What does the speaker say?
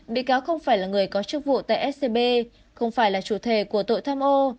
bị cáo không phải là người có chức vụ tại scb không phải là chủ thể của tội tham ô